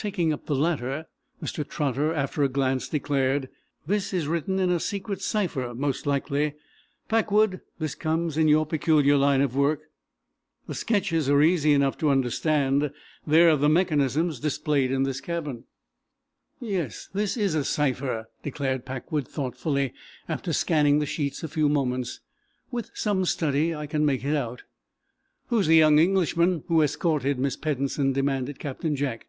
Taking up the latter, Mr. Trotter, after a glance declared: "This is written in a secret cipher, most likely. Packwood, this comes in your peculiar line of work. The sketches are easy enough to understand. They are of the mechanisms displayed in this cabin." "Yes, this is a cipher," declared Packwood, thoughtfully, after scanning the sheets a few moments. "With some study I can make it out." "Who's the young Englishman who escorted Miss Peddensen?" demanded Captain Jack.